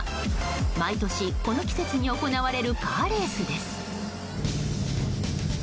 毎年、この季節に行われるカーレースです。